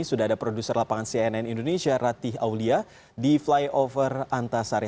sudah ada produser lapangan cnn indonesia ratih aulia di flyover antasari